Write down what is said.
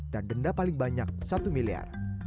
dan denda paling banyak satu miliar